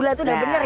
nah itu berusaha